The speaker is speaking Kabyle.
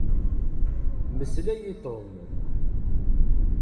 Mmeslay i Tom.